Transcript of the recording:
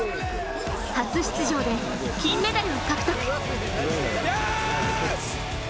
初出場で金メダルを獲得。